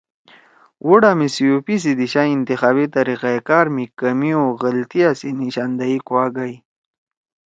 ووٹا می COP سی دیِشا انتخابی طریقہ کار می کمی او غلطیِا سی نشاندہی کُوا گئی